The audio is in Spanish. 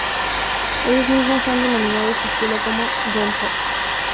Ellos mismos han denominado su estilo como "Dream Pop".